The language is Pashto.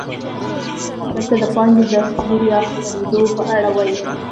دلته د پانګې د صدور یا خپرېدو په اړه وایو